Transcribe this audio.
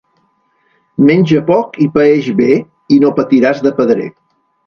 Menja poc i paeix bé i no patiràs de pedrer.